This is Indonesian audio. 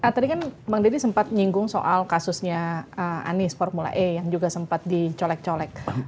tadi kan bang deddy sempat nyinggung soal kasusnya anies formula e yang juga sempat dicolek colek